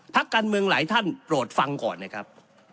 พักการเมืองหลายท่านโปรดฟังก่อนนะครับ